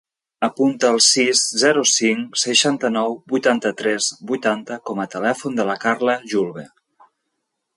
Apunta el sis, zero, cinc, seixanta-nou, vuitanta-tres, vuitanta com a telèfon de la Carla Julve.